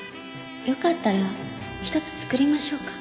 よかったら１つ作りましょうか？